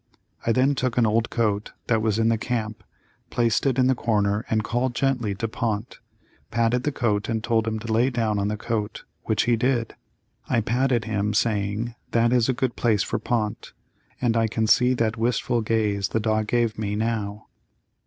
I then took an old coat that was in the camp, placed it in the corner and called gently to Pont, patted the coat and told him to lay down on the coat, which he did. I patted him saying that is a good place for Pont, and I can see that wistful gaze the dog gave me, now.